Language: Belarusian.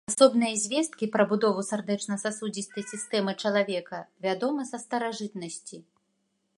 Асобныя звесткі пра будову сардэчна-сасудзістай сістэмы чалавека вядомы са старажытнасці.